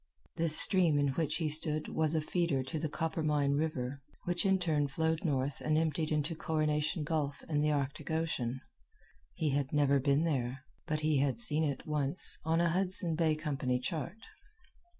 This stream in which he stood was a feeder to the Coppermine River, which in turn flowed north and emptied into Coronation Gulf and the Arctic Ocean. He had never been there, but he had seen it, once, on a Hudson Bay Company chart.